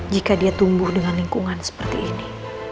jika dia tumbuh dengan lingkungan seperti ini